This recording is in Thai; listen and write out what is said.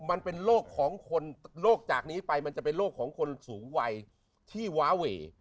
มันเป็นโรคของคนโรคจากนี้ไปมันจะเป็นโรคของคนสูงวัยที่วาเว